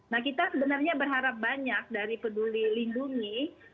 nah kita sebenarnya berharap banyak dari peduli lindungi